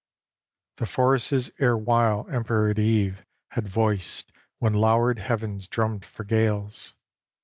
XXIV The forest's erewhile emperor at eve Had voice when lowered heavens drummed for gales.